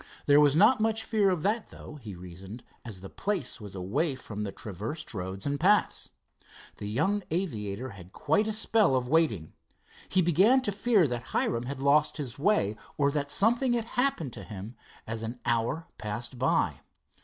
There was not much fear of that, though, he reasoned, as the place was away from the traversed roads and paths. The young aviator had quite a spell of waiting. He began to fear that Hiram had lost his way or that something had happened to him, as an hour passed by.